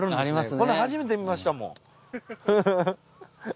こんなん初めて見ましたもん。